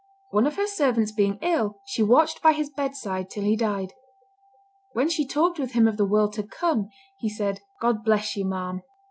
One of her servants being ill, she watched by his bedside till he died. When she talked with him of the world to come, he said, "God bless you, ma'am."